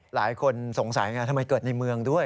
หลายคนสงสัยไงทำไมเกิดในเมืองด้วย